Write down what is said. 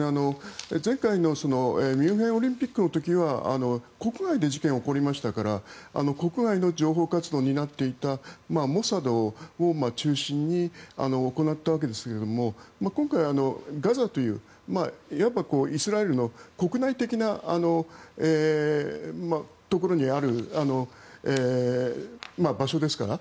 前回のミュンヘンオリンピックの時は国外で事件が起こりましたから国外の諜報活動を担っていたモサドを中心に行ったわけですが今回はガザといういわばイスラエルの国内的なところにある場所ですから